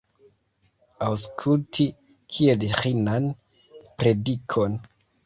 Aŭskulti kiel ĥinan predikon.